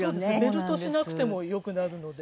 ベルトしなくてもよくなるので。